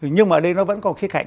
nhưng mà ở đây nó vẫn có khía cạnh